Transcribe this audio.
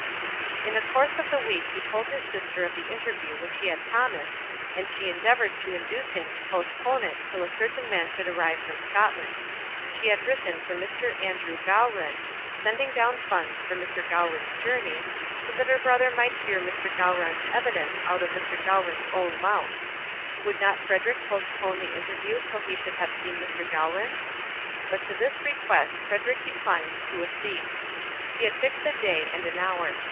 In the course of the week he told his sister of the interview which he had promised, and she endeavoured to induce him to postpone it till a certain man should arrive from Scotland. She had written for Mr. Andrew Gowran, sending down funds for Mr. Gowran's journey, so that her brother might hear Mr. Gowran's evidence out of Mr. Gowran's own mouth. Would not Frederic postpone the interview till he should have seen Mr. Gowran? But to this request Frederic declined to accede. He had fixed a day and an hour.